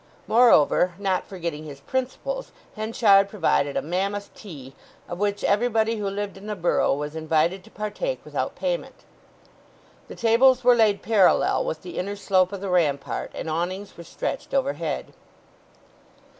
Moreover, not forgetting his principles, Henchard provided a mammoth tea, of which everybody who lived in the borough was invited to partake without payment. The tables were laid parallel with the inner slope of the rampart, and awnings were stretched overhead.